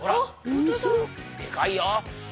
でかいよ。